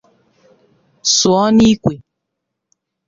sụọ n'ikwe.